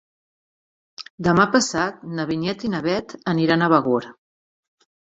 Demà passat na Vinyet i na Bet aniran a Begur.